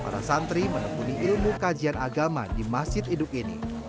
para santri menekuni ilmu kajian agama di masjid induk ini